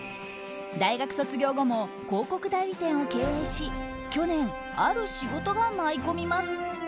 大学卒業後も広告代理店を経営し去年、ある仕事が舞い込みます。